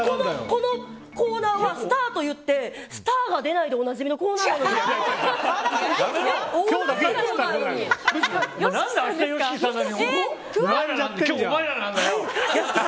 このコーナーはスターと言ってスターが出ないでおなじみのコーナーじゃないんですか？